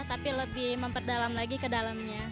tapi lebih memperdalam lagi ke dalamnya